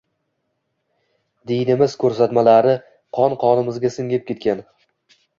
Dinimiz ko‘rsatmalari qon-qonimizga singib ketgan.